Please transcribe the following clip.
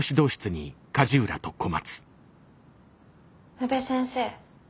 宇部先生